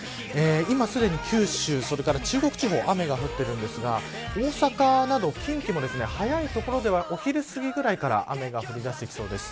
今、すでに九州、それから中国地方、雨が降ってるんですが大阪など近畿も早い所では、お昼すぎくらいから雨が降りだしてきそうです。